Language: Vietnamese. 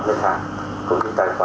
lân hàng không những tài khoản